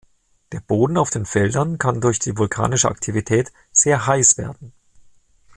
Der Boden auf den Feldern kann durch die vulkanische Aktivität sehr heiß werden.